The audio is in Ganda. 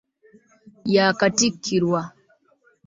Yaakatikkirwa.